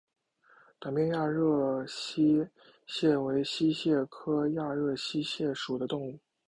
短鞭亚热溪蟹为溪蟹科亚热溪蟹属的动物。